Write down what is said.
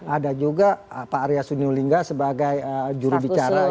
ada juga pak arya sunulingga sebagai jurubicara